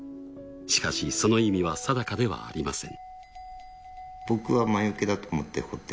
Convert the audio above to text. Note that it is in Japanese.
しかしその意味は定かではありません。